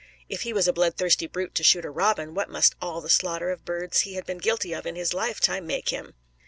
If he was a bloodthirsty brute to shoot a robin, what must all the slaughter of birds he had been guilty of in his lifetime make him?